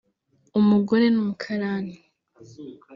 umugore n’umukarani